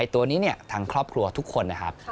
ตัวนี้ทางครอบครัวทุกคนนะครับ